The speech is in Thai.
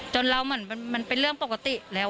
เราเหมือนมันเป็นเรื่องปกติแล้ว